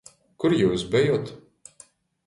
Kur jius bejot?